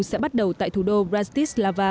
sẽ bắt đầu tại thủ đô bratislava